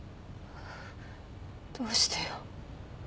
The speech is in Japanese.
どうしてよ？